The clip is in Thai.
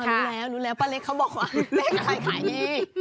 ฉันรู้แล้วป้าเล็กเขาบอกว่าเรียกไก่นี่